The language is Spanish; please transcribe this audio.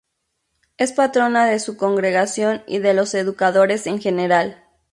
Es patrona de su congregación y de los educadores en general.